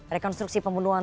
selamat sore pak fikar